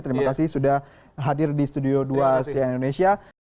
terima kasih sudah hadir di studio dua cn indonesia